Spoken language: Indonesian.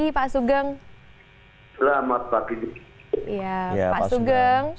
membawa esep bi oin